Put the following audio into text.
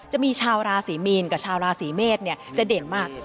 จะมีชาวราศรีมีนกับชาวราศีเมษจะเด่นมาก